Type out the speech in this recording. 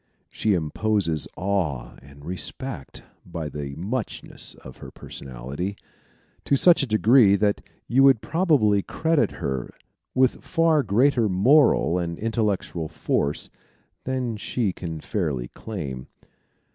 She imposes awe and respect by the muchness of her personality, to such a degree that you probably credit her with far greater moral and intellectual force than she can fairly claim.